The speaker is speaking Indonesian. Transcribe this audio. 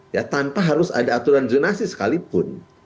ya tanpa harus ada aturan zonasi sekalipun